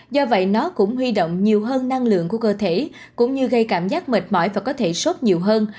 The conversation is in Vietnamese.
do vậy nó cũng huy động nhiều hơn năng lượng của cơ thể cũng như gây cảm giác mệt mỏi và có thể sốt nhiều hơn